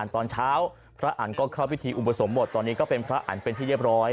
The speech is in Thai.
ตอนเช้าพระอันก็เข้าพิธีอุปสมบทตอนนี้ก็เป็นพระอันเป็นที่เรียบร้อย